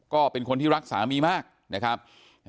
ก็เป็นคนที่รักสามีมากนะครับ